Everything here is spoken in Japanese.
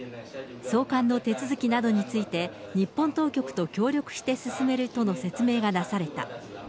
送還の手続きなどについて日本当局と協力して進めるとの説明がなされた。